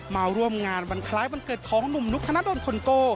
มาร่วมงานวันคล้ายวันเกิดของหนุ่มนุกธนดลคนโก